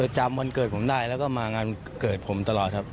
จำวันเกิดผมได้แล้วก็มางานเกิดผมตลอดครับ